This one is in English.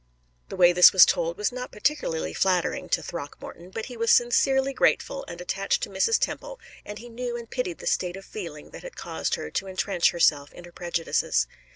The way this was told was not particularly flattering to Throckmorton, but he was sincerely grateful and attached to Mrs. Temple, and he knew and pitied the state of feeling that had caused her to intrench herself in her prejudices.